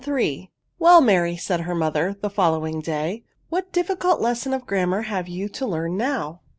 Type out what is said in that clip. *' Well, Mary/' said her mother, the follow ing day, " what difficult lesson of grammar have you to learn now?"